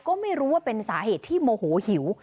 ก็ไม่รู้ว่าเป็นสาเหตุที่โมโหหิว